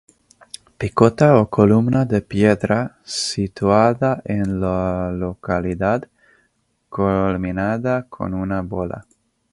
Picota o columna de piedra situada en la localidad, culminada con una bola.